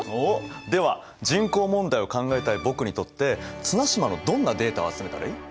では人口問題を考えたい僕にとって綱島のどんなデータを集めたらいい？